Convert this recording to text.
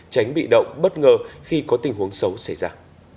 tránh bị động bất ngờ khi có tình huống xấu xảy ra